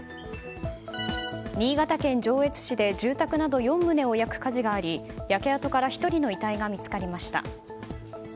新潟県上越市で住宅など４棟を焼く火事があり焼け跡から１人の遺体が見つかりました。